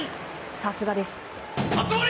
さすがです！